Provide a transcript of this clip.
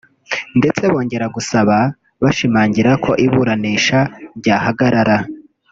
ndetse bongera gusaba bashimangira ko iburanisha ryahagarara